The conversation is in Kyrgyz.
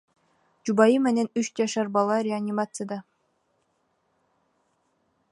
Жубайы менен үч жашар бала реанимацияда.